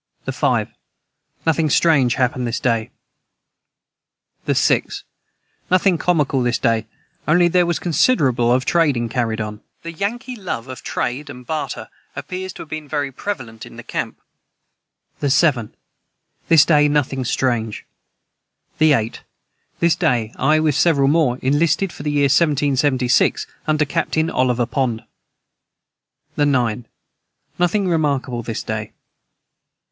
] the 5. Nothing Strange hapned this day. the 6. Nothing comical this day only their was considerable of tradeing caryd on. [Footnote 188: The Yankee love of trade and barter appears to have been very prevalent in the camp.] the 7. This day nothing Strang. the 8. This day I with several more inlisted for the year 1776 under captain Oliver Pond. the 9. Nothing remarkable this day.